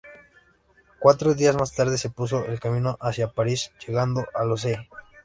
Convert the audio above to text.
Cuatro días más tarde se puso en camino hacia París, llegando a los Ee.